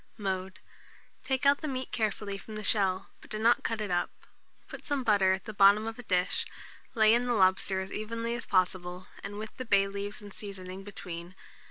Mode. Take out the meat carefully from the shell, but do not cut it up. Put some butter at the bottom of a dish, lay in the lobster as evenly as possible, with the bay leaves and seasoning between.